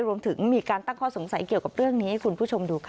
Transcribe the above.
รวมถึงมีการตั้งข้อสงสัยเกี่ยวกับเรื่องนี้ให้คุณผู้ชมดูค่ะ